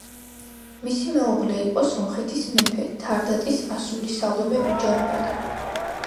მისი მეუღლე იყო სომხეთის მეფე თრდატის ასული სალომე უჯარმელი.